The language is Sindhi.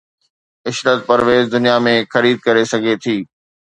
عشرت پرويز دنيا ۾ خريد ڪري سگهي ٿي